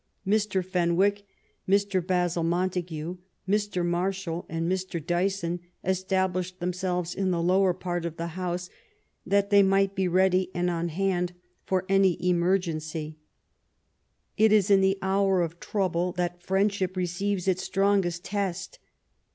Mr. Fenwick, Mr. Basil Montague, Mr. Marshal, and Mr. Dyson established themselves in the lower part of the house that they might be ready and on hand for any emergency. It is in the hour of trouble that friendship receives its strongest test.